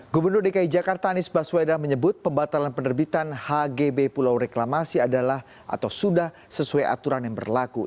gubernur dki jakarta anies baswedan menyebut pembatalan penerbitan hgb pulau reklamasi adalah atau sudah sesuai aturan yang berlaku